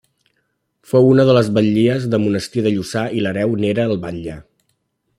Fou una de les batllies del monestir de Lluçà i l'hereu n'era el batlle.